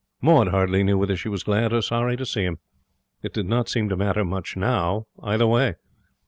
Maud hardly knew whether she was glad or sorry to see him. It did not seem to matter much now either way.